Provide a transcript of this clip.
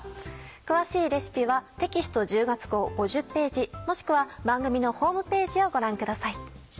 詳しいレシピはテキスト１０月号５０ページもしくは番組のホームページをご覧ください。